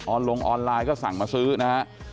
ออนโลงออนไลน์ก็สั่งมาซื้อนะครับ